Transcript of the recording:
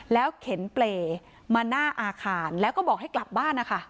แล้วเข็นเปรย์มาหน้าอาคารแล้วก็บอกให้กลับบ้านนะคะ